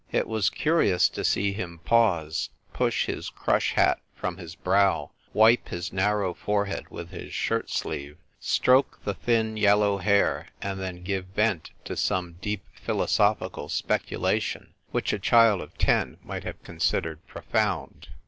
It was curious to see him pause, push his crush hat from his brow, wipe his narrow forehead with his shirt sleeve, stroke the thin yellow hair, and then give vent to some deep philosophical speculation, which a child of ten might have considered profound.